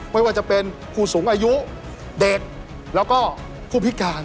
ไม่ว่าจะเป็นผู้สูงอายุเด็กแล้วก็ผู้พิการ